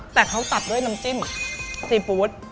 แต่เขาตัดด้วยน้ำจิ้มซีฟู้ด